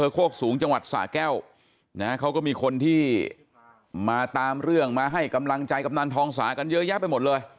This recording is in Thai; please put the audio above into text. โคกสูงจังหวัดสะแก้วเขาก็มีคนที่มาตามเรื่องมาให้กำลังใจกำนันทองสากันเยอะแยะไปหมดเลย